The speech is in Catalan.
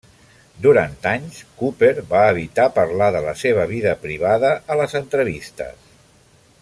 Durant anys, Cooper va evitar parlar de la seva vida privada a les entrevistes.